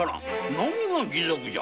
何が義賊じゃ。